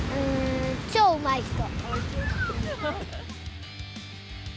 超うまい人。